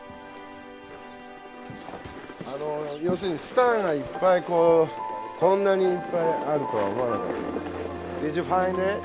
要するにスターがいっぱいこんなにいっぱいあるとは思わなかった。